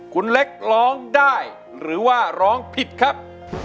คุณเล็กร้องได้หรือว่าร้องผิดครับ